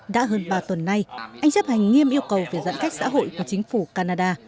đã hơn ba tuần nay anh chấp hành nghiêm yêu cầu về giãn cách xã hội của chính phủ canada